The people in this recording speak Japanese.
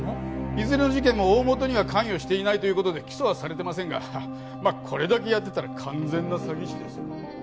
いずれの事件も大元には関与していないという事で起訴はされてませんがまあこれだけやってたら完全な詐欺師ですよ。